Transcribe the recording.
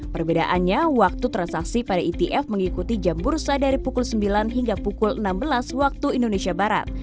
perbedaannya waktu transaksi pada etf mengikuti jam bursa dari pukul sembilan hingga pukul enam belas waktu indonesia barat